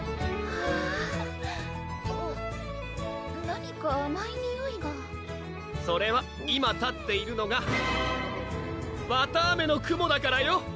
何かあまいにおいがそれは今立っているのがわたあめの雲だからよ！